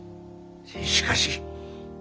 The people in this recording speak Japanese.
しかし。